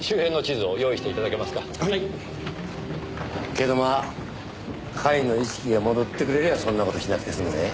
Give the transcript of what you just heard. けどまあ甲斐の意識が戻ってくれりゃそんな事しなくて済むぜ。